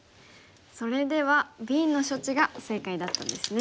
それではＢの処置が正解だったんですね。